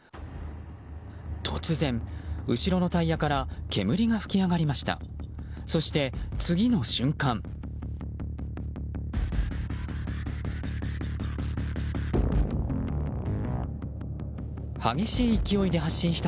突然、後ろのタイヤから煙が吹き上がりました。